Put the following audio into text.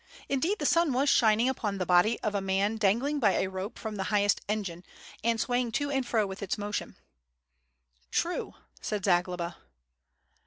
Indeed the sun was shining upon the body of a man dangling by a rope from the highest engine, and swaying to and fro with its motion. "True,'*' said Zagloba.